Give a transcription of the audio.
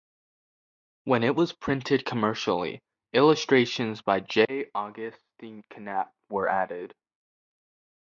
When it was printed commercially, illustrations by J. Augustus Knapp were added.